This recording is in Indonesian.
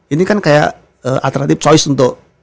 ini kan kayak alternatif choice untuk